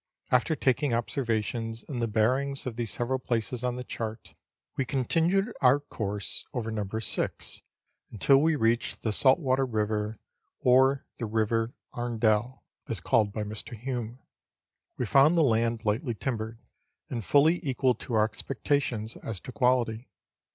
After taking observa tions and the bearings of these several places on the chart, we continued our course over No. 6 until we reached the Saltwater Eiver, or the River Arndell, as called by Mr. Hume. We found the laud lightly timbered, and fully equal to our expectations as to quality.